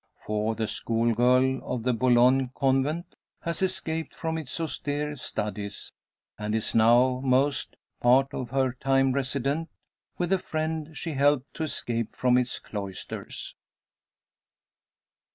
For the school girl of the Boulogne Convent has escaped from its austere studies; and is now most; part of her time resident with the friend she helped to escape from its cloisters.